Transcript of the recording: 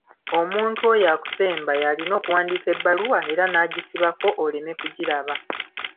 Omuntu oyo akusemba yalima okuwandiika ebbaluwa era n'agisibako oleme kugiraba.